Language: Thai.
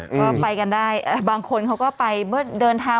ว่าไปกันได้บางคนเขาก็ไปเดินทาง